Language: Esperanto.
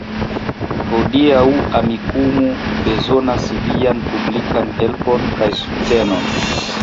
Hodiaŭ Amikumu bezonas vian publikan helpon kaj subtenon